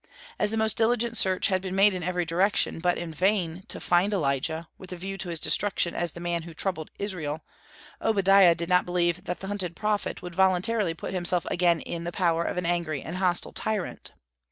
As the most diligent search had been made in every direction, but in vain, to find Elijah, with a view to his destruction as the man who "troubled Israel," Obadiah did not believe that the hunted prophet would voluntarily put himself again in the power of an angry and hostile tyrant.